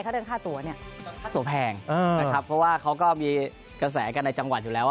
ตัวแพงเพราะว่าพวกเขาก็มีกระแสกันในจังหวัดอยู่แล้ว